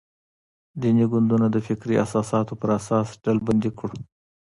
دیني ګوندونه د فکري اساساتو پر اساس ډلبندي کړو.